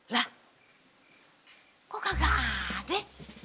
lah kok kagak ada